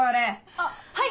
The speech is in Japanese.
あっはい！